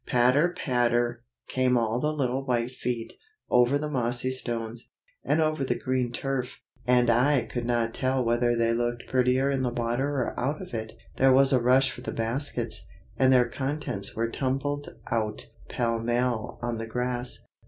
Patter, patter, came all the little white feet, over the mossy stones, and over the green turf, and I could not tell whether they looked prettier in the water or out of it. There was a rush for the baskets, and their contents were tumbled out pell mell on the grass.